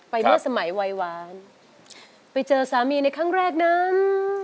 เมื่อสมัยวัยหวานไปเจอสามีในครั้งแรกนั้น